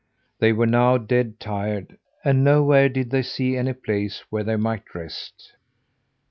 They were now dead tired, and nowhere did they see any place where they might rest.